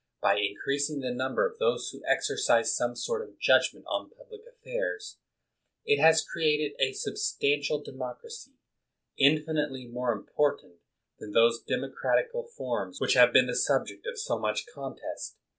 By increasing the number of those who exercise some sort of judg ment on public affairs, it has created a substan tial democracy, infinitely more important than those democratical forms which have been the subject of so much contest.